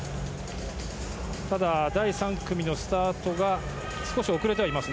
ただ、第３組のスタートが少し遅れてはいます。